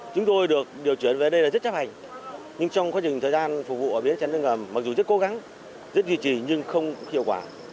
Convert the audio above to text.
chúng tôi được điều chuyển về đây là rất chấp hành nhưng trong quá trình thời gian phục vụ ở biến chấn thương ngầm mặc dù rất cố gắng rất duy trì nhưng không hiệu quả